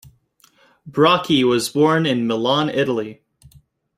Bracchi was born in Milan, Italy.